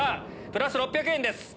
プラス６００円です。